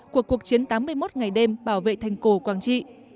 của cuộc chiến tám mươi một ngày đêm bảo vệ thành cổ quảng trị